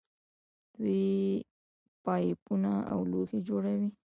دوی پایپونه او لوښي جوړوي.